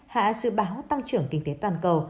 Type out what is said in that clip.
hạ dự báo tăng trưởng kinh tế toàn cầu